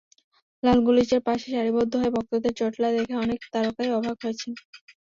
লালগালিচার পাশেই সারিবদ্ধ হয়ে ভক্তদের জটলা দেখে অনেক তারকাই অবাক হয়েছেন।